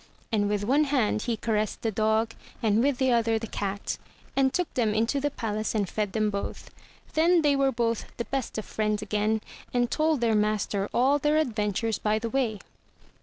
And with one hand he caressed the dog, and with the other the cat, and took them into the palace and fed them both. Then they were both the best of friends again, and told their master all their adventures by the way.